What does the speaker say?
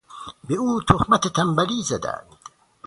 به او تهمت تنبلی زدند.